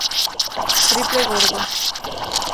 Triple Gordo